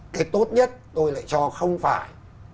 cái tốt nhất tôi lại cho không phải